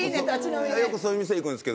よくそういう店行く。